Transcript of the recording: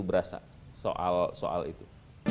berasa soal soal itu